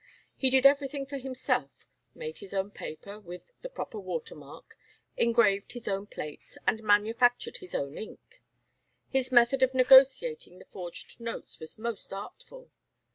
He did everything for himself; made his own paper, with the proper water mark, engraved his own plates, and manufactured his own ink. His method of negotiating the forged notes was most artful.